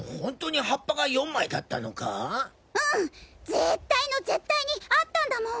絶対の絶対にあったんだもん。